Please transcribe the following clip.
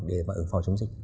để mà ứng phó chống dịch